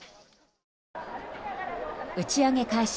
打ち上げ開始